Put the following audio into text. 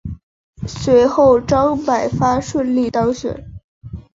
随后张百发顺利当选。